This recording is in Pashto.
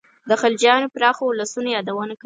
د خلجیانو پراخو اولسونو یادونه کوي.